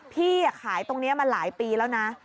พี่ขายตรงนี้มาหลายปีแล้วนะ